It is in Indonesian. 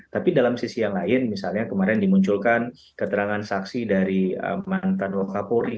tapi dalam sisi yang lain misalnya kemarin dimunculkan keterangan saksi dari mantan wakapuri